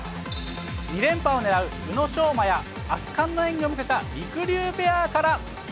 ２連覇をねらう宇野昌磨や圧巻の演技を見せたりくりゅうペアから。